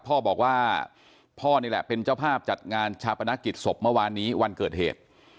พ่อบอกว่าพ่อนี่แหละเป็นเจ้าภาพจัดงานชาปนกิจศพเมื่อวานนี้วันเกิดเหตุ